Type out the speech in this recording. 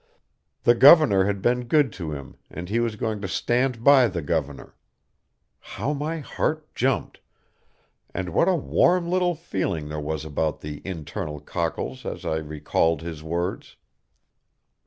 The governor had been good to him and he was going to stand by the governor. How my heart jumped, and what a warm little feeling there was about the internal cockles as I recalled his words.